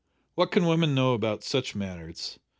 what can women know about such matters?